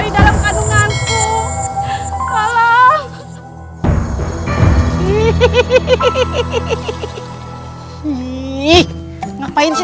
jangan mampir sea